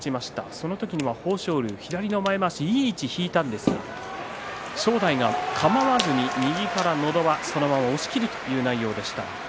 その時には豊昇龍、左の前まわしいい位置を引いたんですが正代がかまわずに右からのど輪をそのまま押しきるという内容でした。